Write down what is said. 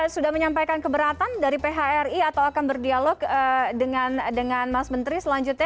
sudah menyampaikan keberatan dari phri atau akan berdialog dengan mas menteri selanjutnya